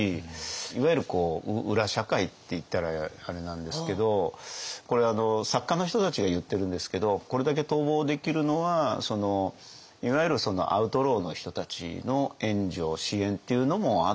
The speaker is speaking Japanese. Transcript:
いわゆる裏社会っていったらあれなんですけどこれ作家の人たちが言ってるんですけどこれだけ逃亡できるのはいわゆるアウトローの人たちの援助支援っていうのもあったんではないか。